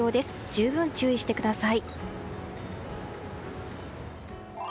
十分注意してください。